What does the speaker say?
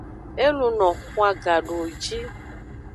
E luno xwan gadowoji.